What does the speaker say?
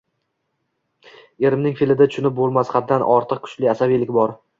Erimning fe`lida tushunib bo`lmas, haddan ortiq kuchli asabiylik bor